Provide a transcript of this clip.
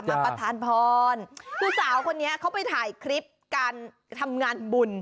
ประธานพรคือสาวคนนี้เขาไปถ่ายคลิปการทำงานบุญ